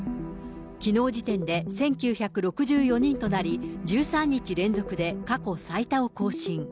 きのう時点で１９６４人となり、１３日連続で過去最多を更新。